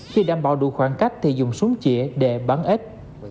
khi đảm bảo đủ khoảng cách thì dùng súng chỉa để bắn ép